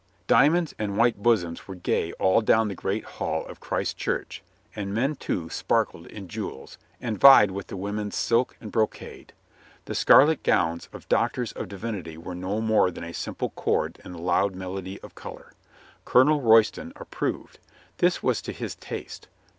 Diamonds and white bosoms were gay all down the great hall of Christ Church, and men, too, sparkled in jewels, and vied with the women's silk and brocade. The scarlet 125 126 COLONEL GREATHEART gowns of doctors of divinity were no more than a simple chord in the loud melody of color. Colonel Royston approved. This was to his taste.